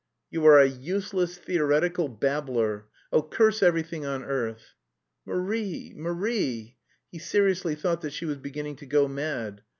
"You are a useless, theoretical babbler. Oh, curse everything on earth!" "Marie, Marie!" He seriously thought that she was beginning to go mad.